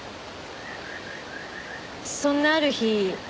そんなある日